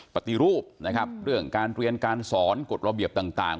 ปฏิรูปนะครับเรื่องการเรียนการสอนกฎระเบียบต่าง